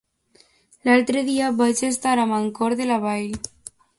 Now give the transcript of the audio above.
L'altre dia vaig estar a Mancor de la Vall.